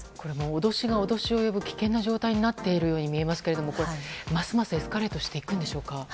脅しが脅しを呼ぶ危険な状態になっているように見えますけれどもますますエスカレートしていくんでしょうか。